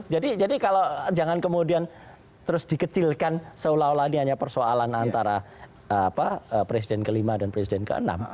jadi kalau jangan kemudian terus dikecilkan seolah olah ini hanya persoalan antara presiden ke lima dan presiden ke enam